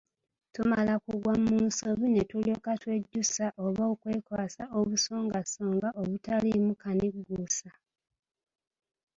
Tumala kugwa mu nsobi ne tulyoka twejjusa oba okwekwasa obusongasonga obutaliimu kanigguusa.